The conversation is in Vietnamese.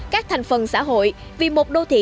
các thành phần xã hội vì một đô thị